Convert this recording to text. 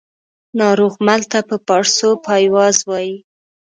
ناروغمل ته په پاړسو پایواز وايي